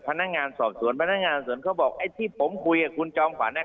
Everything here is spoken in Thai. พนักงานสอบสวนพนักงานส่วนเขาบอกไอ้ที่ผมคุยกับคุณจอมขวัญ